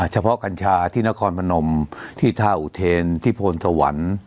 กัญชาที่นครพนมที่ท่าอุเทนที่พลสวรรค์